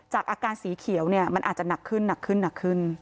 อาการสีเขียวเนี่ยมันอาจจะหนักขึ้นหนักขึ้นหนักขึ้น